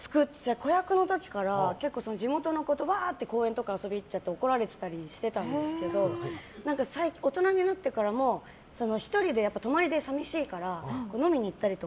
子役の時から地元の子と公園とかに遊びに行っちゃって怒られたりしていたんですけど大人になってからも１人で泊まりで寂しいから飲みに行ったりとか。